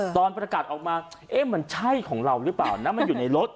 ตอนประกาศออกมาเอ๊ะมันใช่ของเราหรือเปล่านะมันอยู่ในรถ